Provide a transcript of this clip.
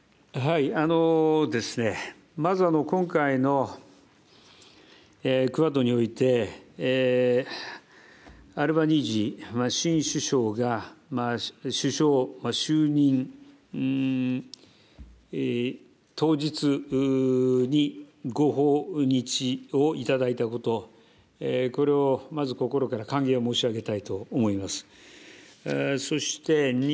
まず今回のクアッドにおいて、アルバニージー首相就任当日にご訪日をいただいたこと、これをまず心から歓迎を申し上げたいと思います。